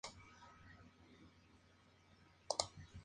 Ptolomeo fue el introductor del culto a este dios.